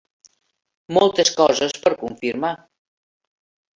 Moltes coses per confirmar.